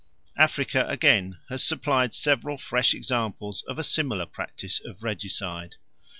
Africa, again, has supplied several fresh examples of a similar practice of regicide.